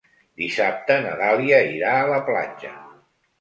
Dissabte na Dàlia irà a la platja.